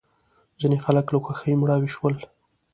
ځینې خلک له خوښۍ مړاوې شول.